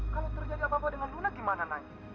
kalau terjadi apa apa dengan luna gimana naik